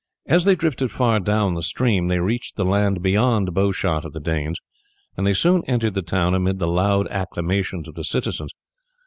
As they drifted far down the stream, they reached the land beyond bowshot of the Danes, and they soon entered the town amid the loud acclamations of the citizens.